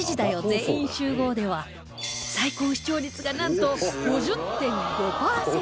全員集合』では最高視聴率がなんと ５０．５ パーセント